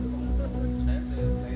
berjalan terus berjalan